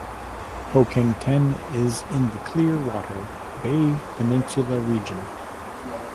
Po Keng Teng is in the Clear Water Bay Peninsula region.